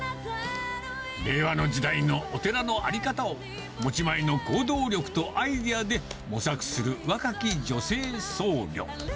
令和の時代のお寺の在り方を、持ち前の行動力とアイデアで模索する若き女性僧侶。